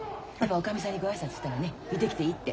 おかみさんにご挨拶したらね見てきていいって。